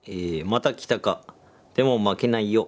「また来たかでも負けないよ